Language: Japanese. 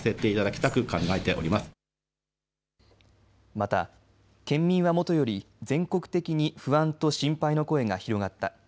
また県民はもとより全国的に不安と心配の声が広がった。